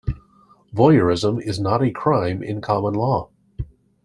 Voyeurism is not a crime in common law.